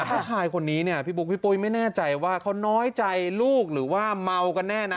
ผู้ชายคนนี้เนี่ยพี่บุ๊คพี่ปุ้ยไม่แน่ใจว่าเขาน้อยใจลูกหรือว่าเมากันแน่นะ